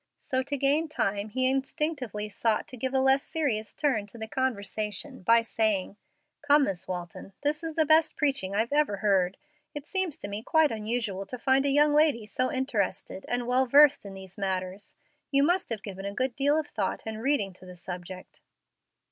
So to gain time he instinctively sought to give a less serious turn to the conversation, by saying, "Come, Miss Walton, this is the best preaching I've ever heard. It seems to me quite unusual to find a young lady so interested and well versed in these matters. You must have given a good deal of thought and reading to the subject."